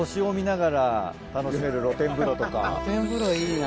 露天風呂いいな。